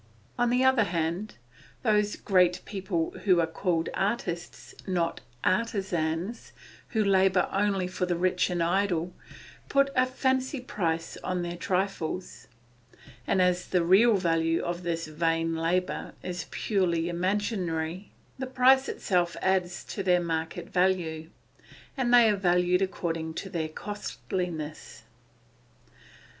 On the other hand, those great people who are called artists, not artisans, who labour only for the rich and idle, put a fancy price on their trifles; and as the real value of this vain labour is purely imaginary, the price itself adds to their market value, and they are valued according to their costliness.